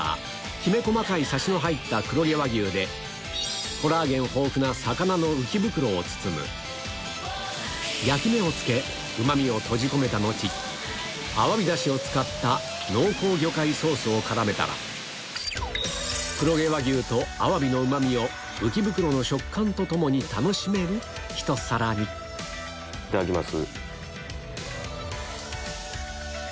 きめ細かいサシの入ったコラーゲン豊富な焼き目をつけうまみを閉じ込めた後濃厚魚介ソースを絡めたら黒毛和牛とアワビのうまみを浮き袋の食感と共に楽しめるひと皿にいただきます。